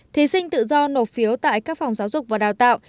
thí sinh tự do nộp phiếu tại các phòng giáo dục và đào tạo